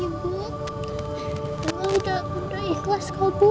ibu kalau udah ikhlas kau bu